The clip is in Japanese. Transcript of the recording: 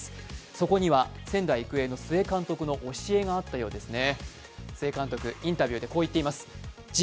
そこには仙台育英の須江監督の教えがあったようですね。